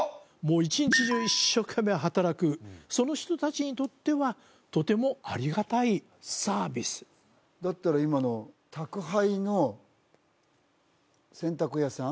一日中一生懸命働くその人達にとってはとてもありがたいサービスだったら今の宅配の洗濯屋さん？